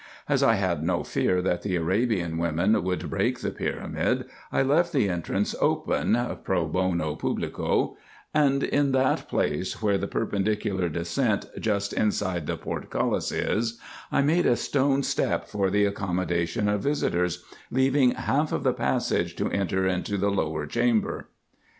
As I had no fear that the Arabian women would break the pyramid, I left the entrance open (jiro bono publico); and in that place where the perpendicular descent, just inside the portcullis, is, I made a stone step for the accommodation of visitors, leaving half of the passage to enter into the lower chamber.